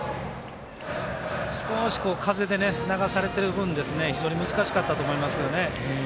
少し風で流されている分非常に難しかったと思いますよね。